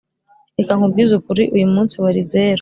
reka nkubwize ukuri uyu munsi wari zero